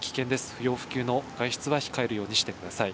不要不急の外出は控えるようにしてください。